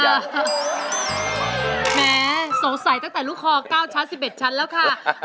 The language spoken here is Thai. แหมสงสัยตั้งแต่ลูกคอ๙ชั้น๑๑ชั้นแล้วค่ะ